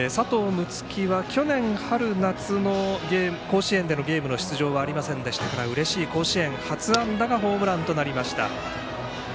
樹は去年、春夏の甲子園でのゲームでの出場はありませんでしたからうれしい甲子園初安打がホームランとなりました。